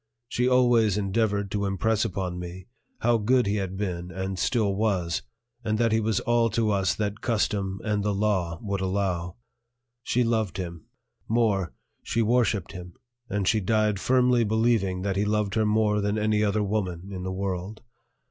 She always endeavored to impress upon me how good he had been and still was, and that he was all to us that custom and the law would allow. She loved him; more, she worshiped him, and she died firmly believing that he loved her more than any other woman in the world.